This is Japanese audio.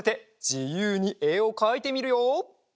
じゆうにえをかいてみるよ！